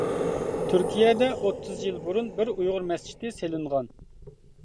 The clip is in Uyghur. تۈركىيەدە ئوتتۇز يىل بۇرۇن بىر ئۇيغۇر مەسچىتى سېلىنغان.